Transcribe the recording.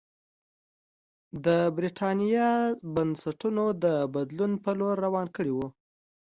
د برېټانیا بنسټونه د بدلون په لور روان کړي وو.